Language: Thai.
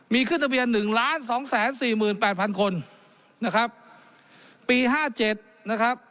มีขึ้นทะเบียนหนึ่งล้านสองแสนสี่หมื่นแปดพันคนนะครับปีห้าเจ็ดนะครับ